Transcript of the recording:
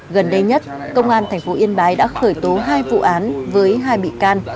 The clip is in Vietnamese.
gần đây nhất công an thành phố yên bái đã khởi tố hai vụ án với hai bị can